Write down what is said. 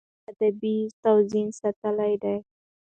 کویلیو ادبي توازن ساتلی دی.